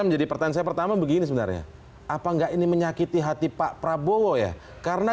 menjadi pertanyaan saya pertama begini sebenarnya apa enggak ini menyakiti hati pak prabowo ya karena